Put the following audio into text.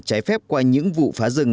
trái phép qua những vụ phá rừng